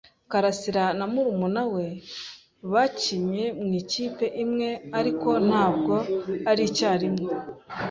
karasira na murumuna we bakinnye mu ikipe imwe, ariko ntabwo ari icyarimwe.